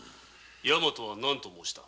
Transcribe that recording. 大和はなんと申した？